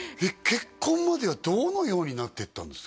結婚まではどのようになっていったんですか？